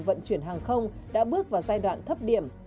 vận chuyển hàng không đã bước vào giai đoạn thấp điểm